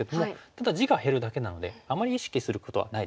ただ地が減るだけなのであまり意識することはないですね。